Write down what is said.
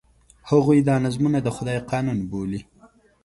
هغوی دا نظمونه د خدای قانون بولي.